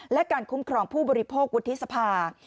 และการคุ้มครองผู้บริโภควุฒิสภา